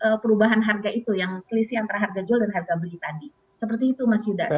seperti itu mas yudha